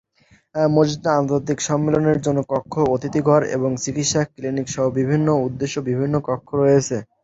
মসজিদটিতে আন্তর্জাতিক সম্মেলনের জন্য কক্ষ, অতিথি ঘর এবং চিকিৎসা ক্লিনিক সহ বিভিন্ন উদ্দেশ্যে বিভিন্ন কক্ষ রয়েছে।